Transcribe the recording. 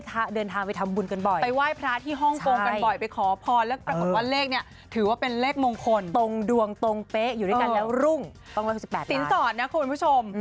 สินสอดคุณผู้ชม